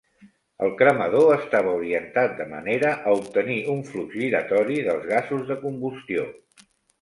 El cremador estava orientat de manera a obtenir un flux giratori dels gasos de combustió.